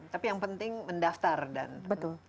tapi yang penting mendaftar dan